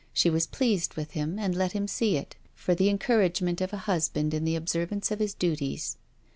She was pleased with him, and let him see it, for the encouragement of a husband in the observance of his duties.